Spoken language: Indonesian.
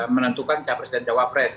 menentukan capres dan cawapres